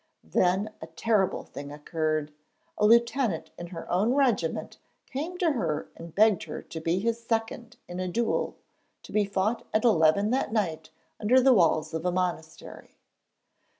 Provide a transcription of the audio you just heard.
Then a terrible thing occurred. A lieutenant in her own regiment came to her and begged her to be his 'second' in a duel to be fought at eleven that night under the walls of a monastery.